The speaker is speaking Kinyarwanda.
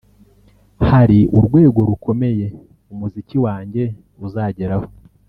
hari urwego rukomeye umuziki wanjye uzageraho